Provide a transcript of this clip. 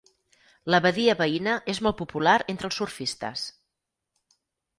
La badia veïna és molt popular entre els surfistes.